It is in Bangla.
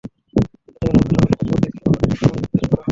গতকাল সোমবার সকালে প্রতিবন্ধী স্কুল প্রাঙ্গণে এসব সামগ্রী বিতরণ করা হয়।